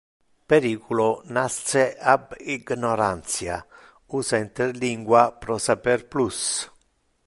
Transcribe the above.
Periculo nasce ab ignorantia, usa interlingua pro saper plus!